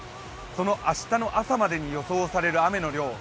明日の朝までに予想される雨の量です